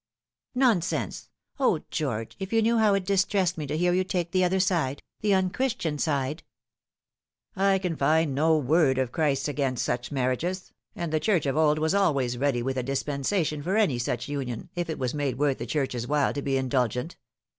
" Nonsense ! O, George, if you knew how it distressed me to hear you take the other side the unchristian side !"" I can find no word of Christ's against such marriages, and the Church of old was always ready with a dispensation for any such union, if it was made worth the Church's while to be indul gent.